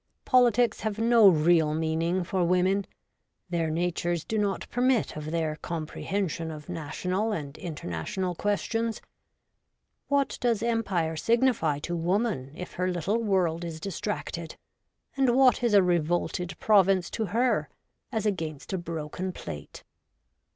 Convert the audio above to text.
Politics have no real meaning for women : their natures do not permit of their comprehension of national and inter national questions. What does Empire signify to woman if her little world is distracted ? and what is a revolted province to her as against a broken plate